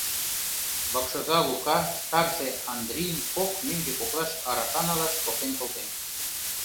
Вакшоза Лука тарзе Андрийым кок меҥге коклаш арака налаш поктен колтен.